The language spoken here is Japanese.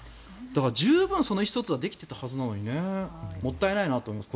だから、十分に意思疎通はできていたはずなのにもったいないなと思います。